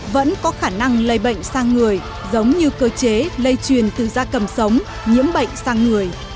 vẫn có khả năng lây bệnh sang người giống như cơ chế lây truyền từ da cầm sống nhiễm bệnh sang người